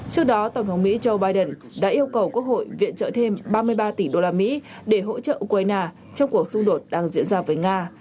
trước đó tổng thống mỹ joe biden đã yêu cầu quốc hội viện trợ thêm ba mươi ba tỉ đô la mỹ để hỗ trợ ukraine trong cuộc xung đột đang diễn ra với nga